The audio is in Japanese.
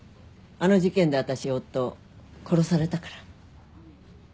あの事件で私夫を殺されたから。